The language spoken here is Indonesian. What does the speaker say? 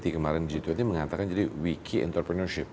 kemarin g dua puluh mengatakan jadi wiki entrepreneurship